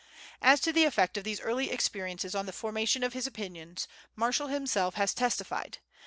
As to the effect of these early experiences on the formation of his opinions, Marshall himself has testified.